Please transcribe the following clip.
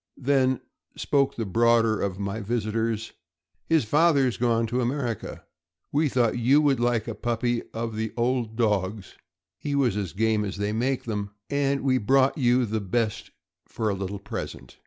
Then spoke the broader of my visitors: "His father's gone to America. We thought you would like a puppy of the old dog's (he was as game as they make them), and we brought you the best for a little present."